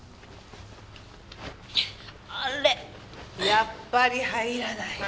やっぱり入らない。